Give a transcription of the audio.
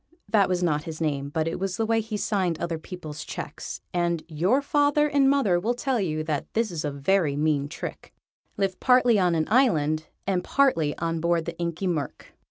_] Tom Tomb that was not his name, but it was the way he signed other people's cheques, and your father and mother will tell you that this is a very mean trick lived partly on an island, and partly on board the Inky Murk.